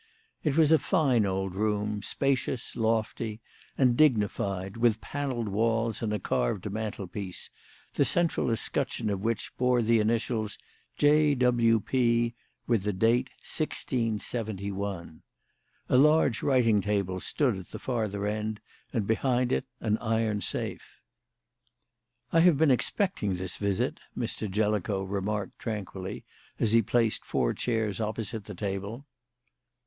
It was a fine old room, spacious, lofty, and dignified, with panelled walls and a carved mantelpiece, the central escutcheon of which bore the initials "J.W.P." with the date "1671." A large writing table stood at the farther end, and behind it an iron safe. "I have been expecting this visit," Mr. Jellicoe remarked tranquilly as he placed four chairs opposite the table.